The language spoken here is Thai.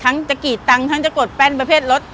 จะกรีดตังค์ทั้งจะกดแป้นประเภทรถ